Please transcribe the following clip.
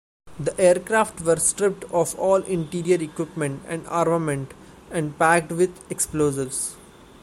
The aircraft were stripped of all interior equipment and armament and packed with explosives.